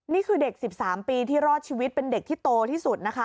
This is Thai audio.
นี่คือเด็ก๑๓ปีที่รอดชีวิตเป็นเด็กที่โตที่สุดนะคะ